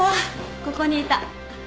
ここにいた。